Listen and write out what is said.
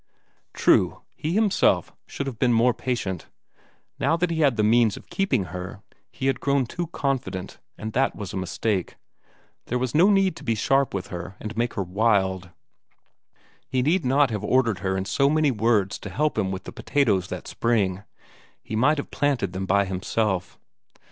True, he himself should have been more patient. Now that he had the means of keeping her, he had grown too confident, and that was a mistake; there was no need to be sharp with her and make her wild; he need not have ordered her in so many words to help him with the potatoes that spring he might have planted them by himself.